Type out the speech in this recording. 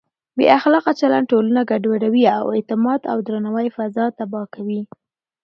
بې اخلاقه چلند ټولنه ګډوډوي او د اعتماد او درناوي فضا تباه کوي.